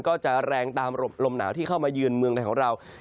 ก็จะแรงตามลมหนาวที่เข้ามายืนเมืองในของเรา